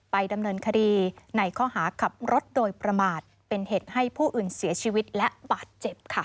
ดำเนินคดีในข้อหาขับรถโดยประมาทเป็นเหตุให้ผู้อื่นเสียชีวิตและบาดเจ็บค่ะ